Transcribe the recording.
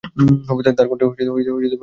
তার কণ্ঠে তিনি আবির্ভাব হচ্ছেন।